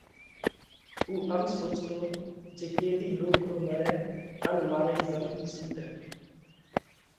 اُو ام سوچتو جي ڪيۮِي ڏوڪرو مرئہ ان مارئِي زنۮ سُوٽئہ۔